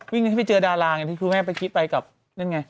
วิ่งให้ไปเจอดาราไงคุณแม่ไปคิดไปกับนั่นไง